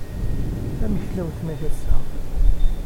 Amek tella weltma-k ass-a?